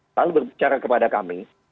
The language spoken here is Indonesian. selalu berbicara kepada kami